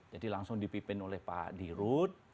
jadi langsung dipimpin oleh pak dirut